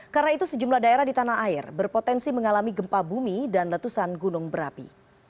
karena itu sejumlah daerah di tanah air berpotensi mengalami gempa bumi dan letusan gunung berapi